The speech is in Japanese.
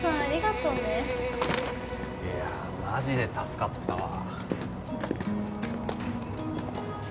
いやマジで助かったわ。